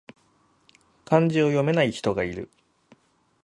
漢字を読めない人がいる